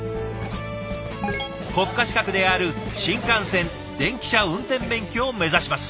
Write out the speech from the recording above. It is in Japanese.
国家資格である「新幹線電気車運転免許」を目指します。